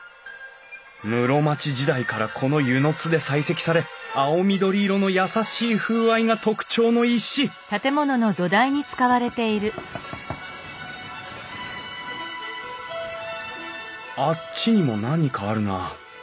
室町時代からこの温泉津で採石され青緑色の優しい風合いが特徴の石あっちにも何かあるな。